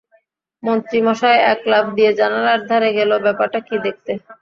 মন্ত্রীমশাই এক লাফ দিয়ে জানালার ধারে গেল ব্যাপারটা কী দেখতে।